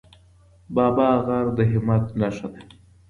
بابا غر د همت نښه ده.